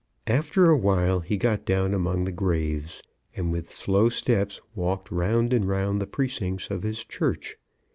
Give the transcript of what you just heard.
After a while he got down among the graves, and with slow steps walked round and round the precincts of his church.